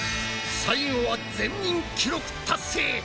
最後は全員記録達成！